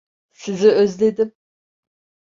Sizi özledim.